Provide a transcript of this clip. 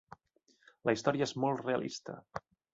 La història és molt realista.